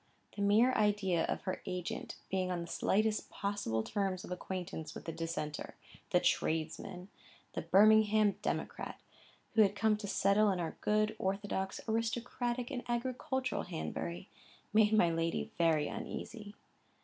The mere idea of her agent being on the slightest possible terms of acquaintance with the Dissenter, the tradesman, the Birmingham democrat, who had come to settle in our good, orthodox, aristocratic, and agricultural Hanbury, made my lady very uneasy.